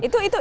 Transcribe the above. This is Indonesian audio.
itu itu itu